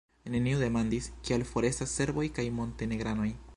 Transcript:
Neniu demandis, kial forestas serboj kaj montenegranoj.